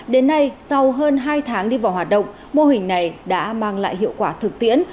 đến nay sau hơn hai tháng đi vào hoạt động mô hình này đã mang lại hiệu quả thực tiễn